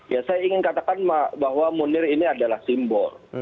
ya saya ingin katakan bahwa munir ini adalah simbol